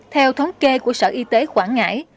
theo thống kê của sở y tế quảng ngãi